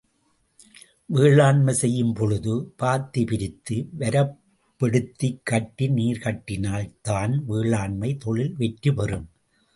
வேளாண்மை செய்யும் பொழுது பாத்தி பிரித்து வரப்பெடுத்துக் கட்டி நீர் கட்டினால் தான் வேளாண்மைத் தொழில் வெற்றி பெறும்.